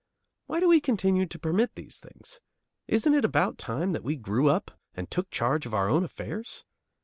Why do we continue to permit these things? Isn't it about time that we grew up and took charge of our own affairs?